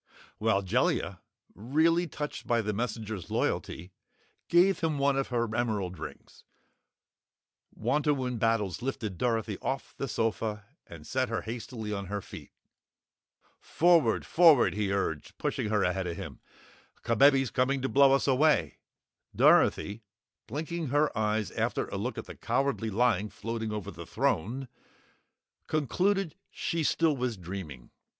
While Jellia, really touched by the messenger's loyalty, gave him one of her emerald rings, Wantowin Battles lifted Dorothy off the sofa and set her hastily on her feet. "Forward! Forward!" he urged, pushing her ahead of him. "Kabebe's coming to blow us away!" Dorothy blinking her eyes after a look at the Cowardly Lion floating over the throne concluded she still was dreaming.